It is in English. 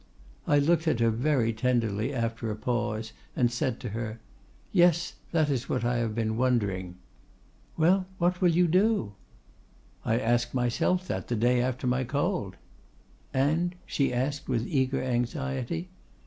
I looked at her very tenderly after a pause, and said to her, 'Yes, that is what I have been wondering.'—'Well, what will you do?'—'I asked myself that the day after my cold.'—'And——?' she asked with eager anxiety.